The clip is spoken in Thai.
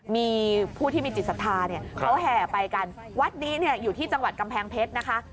มีผู้ที่มีจิตศรัทธาเนี่ยเขาแห่ไปกันวัดนี้เนี่ยอยู่ที่จังหวัดกำแพงเพชรนะคะ